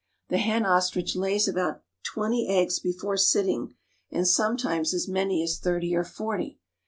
The hen ostrich lays about twenty eggs before sitting, and sometimes as many as thirty or forty.